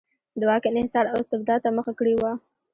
د واک انحصار او استبداد ته مخه کړې وه.